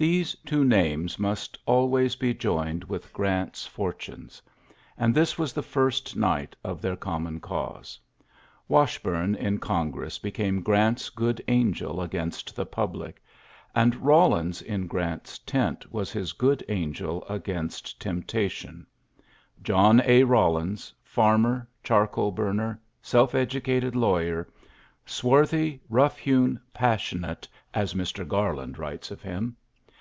These two n must always be joined with Grant's unes ; and this was the first nigli their common cause. "Washburn Congress became Grant's good j against the public, and Bawlii Grant's tent was his good angel aig temptation — John A. Eawlins, fsu charcoal burner, self educated lai "swarthy, rough hewn, passionate. ULYSSES S. GEAUT 33 Mr. Garland writes of him.